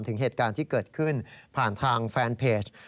ถึงเหตุการณ์ที่เกิดขึ้นผ่านทางแฟนเพจ